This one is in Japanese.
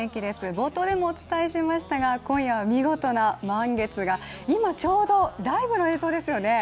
冒頭でもお伝えしましたが、今夜は見事な満月が、今ちょうどライブの映像ですよね。